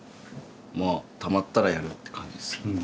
まあたまったらやるって感じですね。